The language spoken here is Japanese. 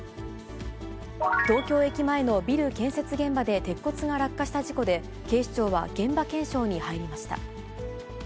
東京駅前のビル建設現場で鉄骨が落下した事故で、警視庁は現場検証に入りました。